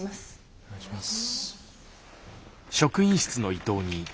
お願いします。